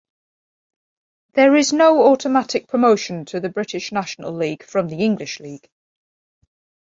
There is no automatic promotion to the British National League from the English League.